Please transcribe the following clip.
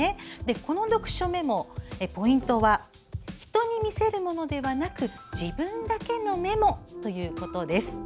この読書メモ、ポイントは人に見せるものではなく自分だけのメモということです。